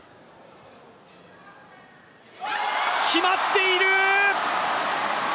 決まっている！